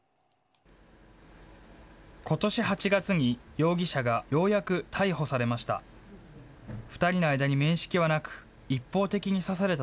ことし８月に容疑者がようやく逮捕されました。